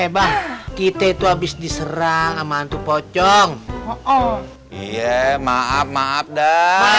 eh bank kita itu abis diserang ama hantu pocong oh iya maaf maaf dah